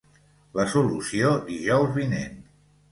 La solució, dijous vinent.